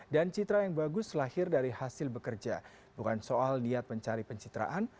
dan citra yang bagus lahir dari hasil bekerja bukan soal niat mencari pencitraan